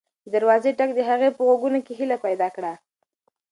د دروازې د ټک غږ د هغې په غوږونو کې هیله پیدا کړه.